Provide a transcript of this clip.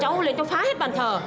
cháu lên trong phá hết bàn thờ